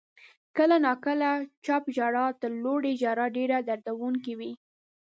• کله ناکله چپ ژړا تر لوړې ژړا ډېره دردونکې وي.